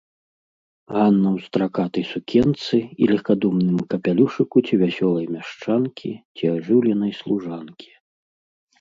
Ганна ў стракатай сукенцы і легкадумным капялюшыку ці вясёлай мяшчанкі, ці ажыўленай служанкі.